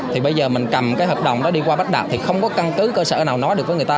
thì bây giờ mình cầm cái hợp đồng đó đi qua bắt đạp thì không có căn cứ cơ sở nào nói được với người ta